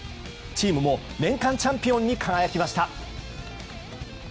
チームも年間チャンピオンに輝きました。